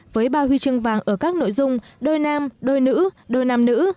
với ba huy chương vàng ở các nội dung đôi nam đôi nữ đôi nam nữ